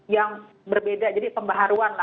yang berbeda jadi pembaharuan